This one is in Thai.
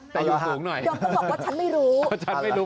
แต่อยู่สูงหน่อยยอมก็บอกว่าฉันไม่รู้เพราะฉันไม่รู้